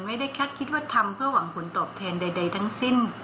ไม่ได้แค่คิดว่าทำเพื่อหวังผลตอบแทนใดทั้งสิ้น